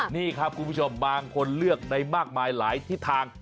นี่ครับคุณผู้ชมบางคนเลือกได้มากมายหลายทิศทาง